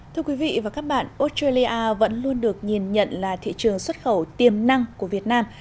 thưa quý vị và các bạn australia vẫn luôn được nhìn nhận là thị trường xuất khẩu tiềm năng của việt nam